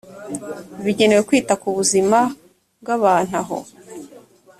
bigenewe kwita ku buzima bw abantu aho